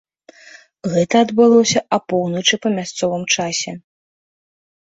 Гэта адбылося апоўначы па мясцовым часе.